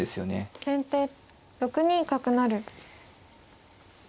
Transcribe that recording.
先手６二角成。